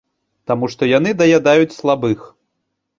Таму што яны даядаюць слабых.